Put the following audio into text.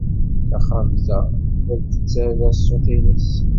Taxxamt-a la d-tettarra ṣṣut-nnes.